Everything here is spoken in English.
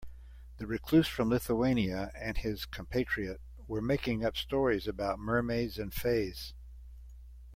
The recluse from Lithuania and his compatriot were making up stories about mermaids and fays.